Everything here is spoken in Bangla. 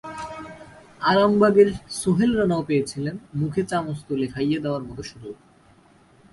আরামবাগের সোহেল রানাও পেয়েছিলেন মুখে চামচ তুলে খাইয়ে দেওয়ার মতো সুযোগ।